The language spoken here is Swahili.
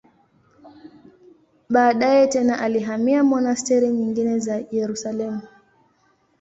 Baadaye tena alihamia monasteri nyingine za Yerusalemu.